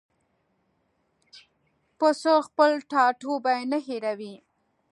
پسه خپل ټاټوبی نه هېروي.